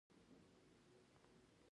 دښمن د خیر پر وړاندې خنډ جوړوي